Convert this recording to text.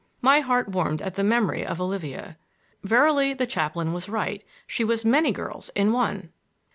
My heart warmed at the memory of Olivia. Verily the chaplain was right—she was many girls in one!